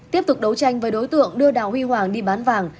tiếp tục đấu tranh với đối tượng đưa đào huy hoàng đi bán vàng